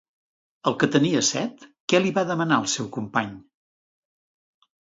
El que tenia set, què li va demanar al seu company?